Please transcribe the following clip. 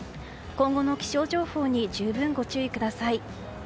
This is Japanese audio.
今後の気象情報に十分ご注意ください。